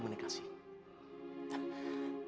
tapi istri saya bisa melakukan komunikasi